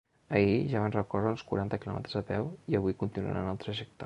Ahir ja van recórrer uns quaranta quilòmetres a peu i avui continuaran el trajecte.